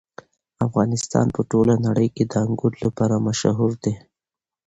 افغانستان په ټوله نړۍ کې د انګور لپاره مشهور دی.